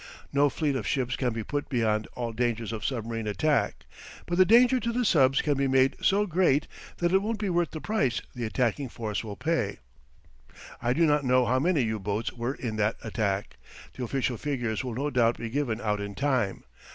No fleet of ships can be put beyond all danger of submarine attack, but the danger to the subs can be made so great that it won't be worth the price the attacking force will pay. I do not know how many U boats were in that attack. The official figures will no doubt be given out in time.